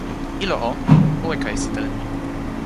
ilo o, o weka e sitelen ni.